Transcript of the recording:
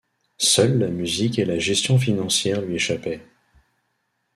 Seules la musique et la gestion financière lui échappaient.